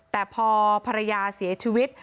แต่พอภรรยาเสียชีวิต